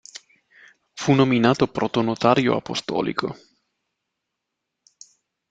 Fu nominato Protonotario Apostolico.